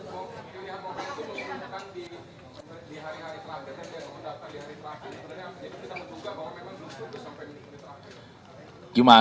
dan di hari hari terakhir sebenarnya kita menduga bahwa memang belum cukup sampai di hari hari terakhir